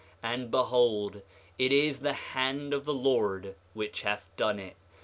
8:8 And behold, it is the hand of the Lord which hath done it.